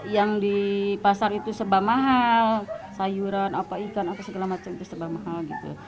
yang di pasar itu serba mahal sayuran apa ikan apa segala macam itu serba mahal gitu